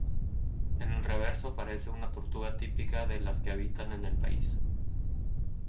En el reverso aparece una tortuga típica de las que habitan en el país.